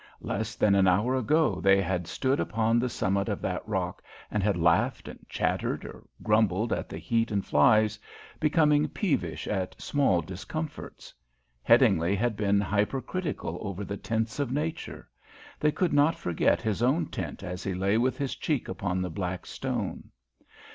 Less than an hour ago they had stood upon the summit of that rock and had laughed and chattered, or grumbled at the heat and flies, becoming peevish at small discomforts. Headingly had been hypercritical over the tints of Nature. They could not forget his own tint as he lay with his cheek upon the black stone.